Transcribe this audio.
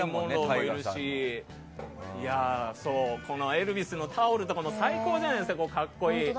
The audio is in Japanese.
エルヴィスのタオルとかも最高じゃないですか、格好いい。